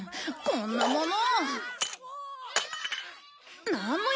こんなものー！